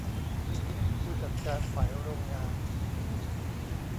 ผู้จัดการฝ่ายโรงงาน